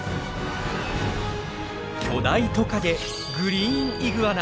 巨大トカゲグリーンイグアナ。